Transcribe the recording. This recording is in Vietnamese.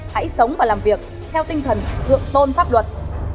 hãy sống và làm việc theo tinh thần thượng tôn pháp luật